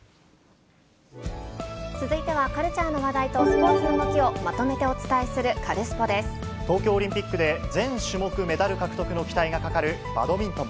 続いては、カルチャーの話題とスポーツの動きをまとめてお伝えするカルスポ東京オリンピックで、全種目メダル獲得の期待がかかるバドミントン。